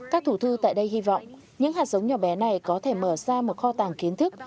các thủ thư tại đây hy vọng những hạt giống nhỏ bé này có thể mở ra một kho tàng kiến thức